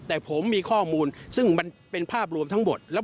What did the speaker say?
เขาไม่เคยบองระดับเด็ก